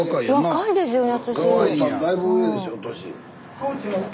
若いですよね。